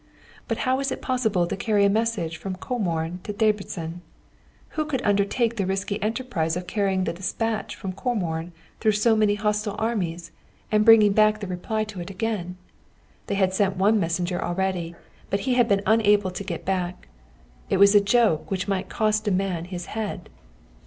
But how was it possible to carry a message from Comorn to Debreczin? Who would undertake the risky enterprise of carrying the despatch from Comorn, through so many hostile armies, and bringing back the reply to it again? They had sent one messenger already, but he had been unable to get back. It was a joke which might cost a man his head.